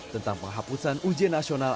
tentang penghapusan ujian nasional